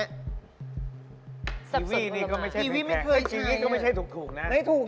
สับสนผลไม้ทีวีนี่ก็ไม่ใช่ถูกแค่